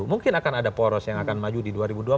mungkin akan ada poros yang akan maju di dua ribu dua puluh